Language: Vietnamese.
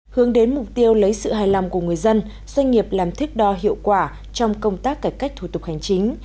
hướng đến mục tiêu lấy sự hài lòng của người dân doanh nghiệp làm thích đo hiệu quả trong công tác cải cách thủ tục hành chính